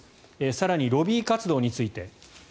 更に、ロビー活動について。